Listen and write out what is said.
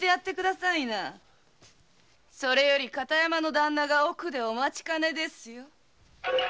それより片山のダンナが奥でお待ちかねですよ。